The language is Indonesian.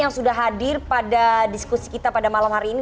yang sudah hadir pada diskusi kita pada malam hari ini